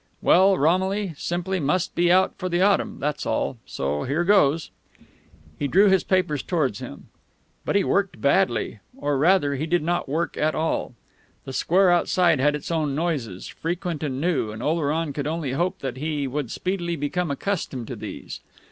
Well, Romilly simply must be out for the autumn, that's all. So here goes " He drew his papers towards him. But he worked badly; or, rather, he did not work at all. The square outside had its own noises, frequent and new, and Oleron could only hope that he would speedily become accustomed to these.